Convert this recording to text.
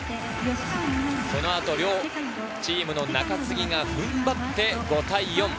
この後、両チームの中継ぎが踏ん張って５対４。